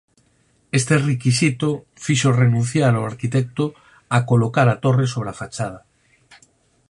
Este requisito fixo renunciar ao arquitecto a colocar a torre sobre a fachada.